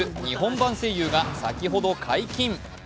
版声優が先ほど解禁。